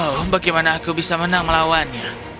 oh bagaimana aku bisa menang melawannya